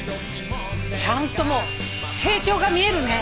ちゃんともう成長が見えるね。